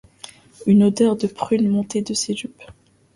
Une odeur de prune montait de ses jupes.